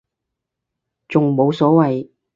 仲冇所謂